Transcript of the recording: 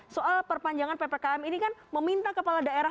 soal perpanjangan ppkm ini kan meminta kepala daerah